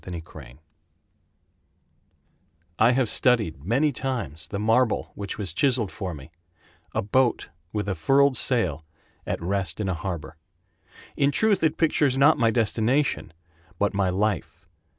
George Gray I have studied many times The marble which was chiseled for me— A boat with a furled sail at rest in a harbor. In truth it pictures not my destination But my life.